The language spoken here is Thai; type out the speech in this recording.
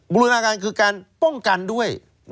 บูรณาการคือการป้องกันด้วย